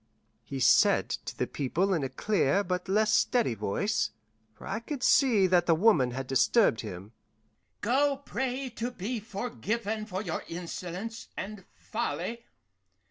He said to the people in a clear but less steady voice, for I could see that the woman had disturbed him, "Go pray to be forgiven for your insolence and folly.